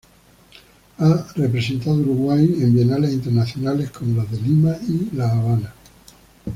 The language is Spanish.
Ha representado a Uruguay en bienales internacionales, como las de Lima y La Habana.